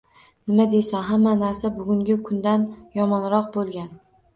Nima deysan, hamma narsa bugungi kuningdan yomonroq boʻlgan